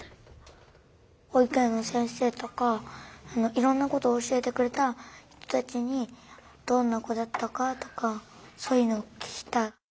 ほいく園の先生とかいろんなことをおしえてくれた人たちにどんなこだったかとかそういうのをききたい。